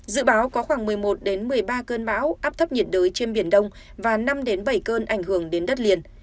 dự báo có khoảng một mươi một một mươi ba cơn bão áp thấp nhiệt đới trên biển đông và năm bảy cơn ảnh hưởng đến đất liền